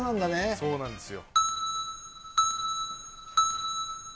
そうなんですよ。